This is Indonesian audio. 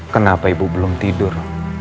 kenapa ibu belum tidur